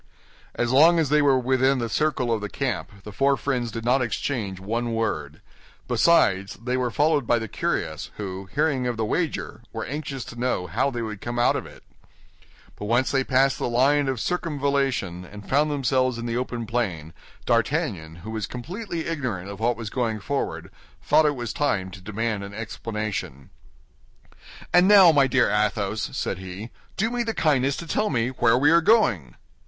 As long as they were within the circle of the camp, the four friends did not exchange one word; besides, they were followed by the curious, who, hearing of the wager, were anxious to know how they would come out of it. But when once they passed the line of circumvallation and found themselves in the open plain, D'Artagnan, who was completely ignorant of what was going forward, thought it was time to demand an explanation. "And now, my dear Athos," said he, "do me the kindness to tell me where we are going?"